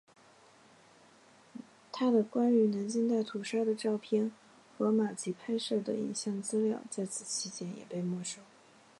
他的关于南京大屠杀的照片和马吉拍摄的影像资料与此期间也被没收。